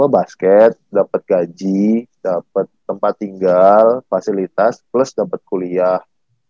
basket dapet gaji dapet tempat tinggal fasilitas plus dapet kuliah